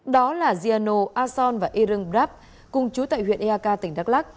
đó là gianno arson và erang brab cùng chú tại huyện eak tỉnh đắk lắc